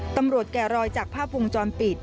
ตำรวจแก่รอยจากผ้าพุงจอมปิด